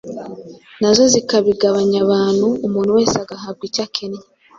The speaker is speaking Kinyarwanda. nazo zikabigabanya abantu, umuntu wese agahabwa icyo akennye.”